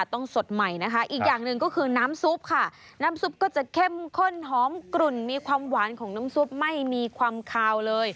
สดใหม่นะคะอีกอย่างหนึ่งก็คือน้ำซุปค่ะน้ำซุปก็จะเข้มข้นหอมกลุ่นมีความหวานของน้ำซุปไม่มีความคาวเลย